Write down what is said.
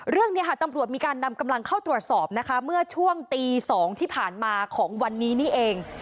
เรื่องนี้ค่ะตำรวจมีการนำกำลังเข้าตรวจสอบนะคะเมื่อช่วงตี๒ที่ผ่านมาของวันนี้นี่เอง